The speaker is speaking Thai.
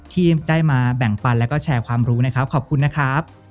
ที่ได้มาแบ่งฟันแล้วก็แชร์ความรู้นะครับขอบคุณนะครับ